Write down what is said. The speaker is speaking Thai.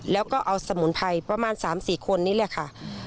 แล้วก็เอาสมุนไพรประมาณ๓๔คนนี้แหละค่ะ